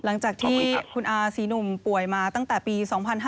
หลังจากที่คุณอาศรีหนุ่มป่วยมาตั้งแต่ปี๒๕๕๙